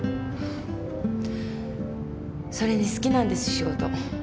それに好きなんです仕事。